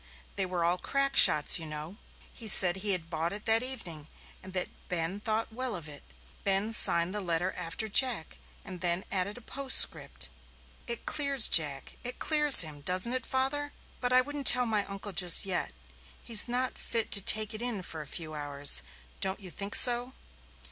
They were all crack shots, you know. He said he had bought it that evening, and that Ben thought well of it. Ben signed the letter after Jack, and then added a postscript. It clears Jack it clears him. Doesn't it, father? But I wouldn't tell my uncle just yet. He's not fit to take it in for a few hours don't you think so?"